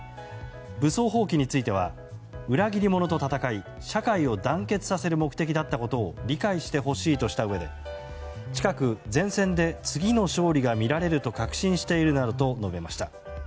武装蜂起については裏切り者と戦い社会を団結させる目的だったことを理解してほしいとしたうえで近く前線で次の勝利が見られると確信しているなどと述べました。